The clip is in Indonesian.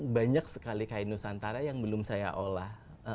banyak sekali kain nusantara yang belum saya olah